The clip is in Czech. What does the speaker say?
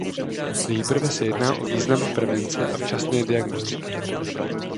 Nejprve se jedná o význam prevence a včasné diagnostiky.